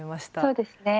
そうですね。